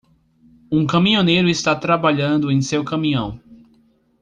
Um caminhoneiro está trabalhando em seu caminhão.